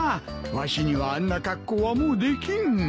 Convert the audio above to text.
わしにはあんな格好はもうできん。